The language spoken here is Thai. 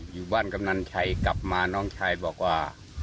อยู่บ้านกำนันชัยกลับมาน้องชายบอกว่า